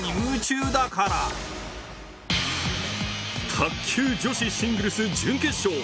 卓球女子シングルス準決勝。